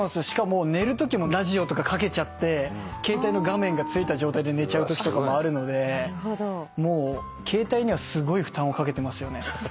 しかも寝るときもラジオとかかけちゃって携帯の画面がついた状態で寝ちゃうときとかもあるのでもう携帯にはすごい負担をかけてますよね。